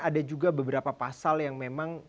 ada juga beberapa pasal yang memang